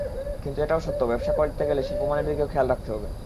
কিন্তু এটাও সত্য, ব্যবসা করতে গেলে শিল্পমানের দিকেও খেয়াল রাখতে হবে।